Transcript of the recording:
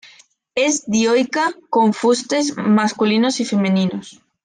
Es dioica, con fustes masculinos y femeninos.